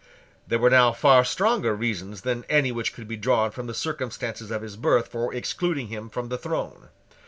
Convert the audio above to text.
There were now far stronger reasons than any which could be drawn from the circumstances of his birth for excluding him from the throne.